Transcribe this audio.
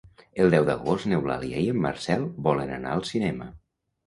El deu d'agost n'Eulàlia i en Marcel volen anar al cinema.